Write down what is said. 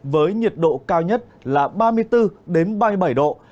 với nhiệt độ cao nhất là ba mươi bốn ba mươi bảy độ